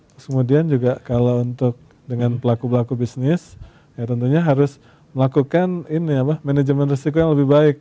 kemudian juga kalau untuk dengan pelaku pelaku bisnis ya tentunya harus melakukan manajemen resiko yang lebih baik